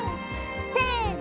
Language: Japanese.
せの！